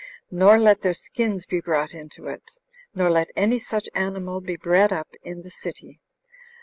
Nor let their skins be brought into it; nor let any such animal be bred up in the city.